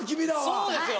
そうですよ。